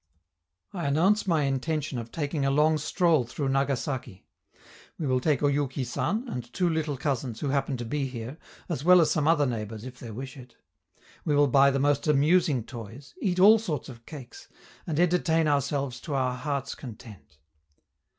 I announce my intention of taking a long stroll through Nagasaki; we will take Oyouki San and two little cousins who happen to be here, as well as some other neighbors, if they wish it; we will buy the most amusing toys, eat all sorts of cakes, and entertain ourselves to our hearts' content.